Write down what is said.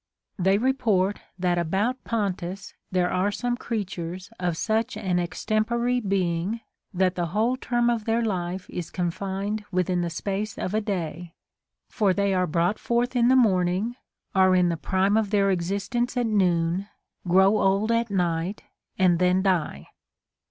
They report that about Pontus there are some creatures of such an extempore being that the whole term of their life is confined Avithin the space of a day ; for they are brought forth in the morning, are in the prime of their existence at noon, grow old at night, and then die.